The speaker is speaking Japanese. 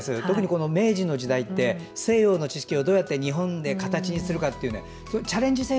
特に明治の時代って西洋の知識をどうやって日本で形にするかってチャレンジ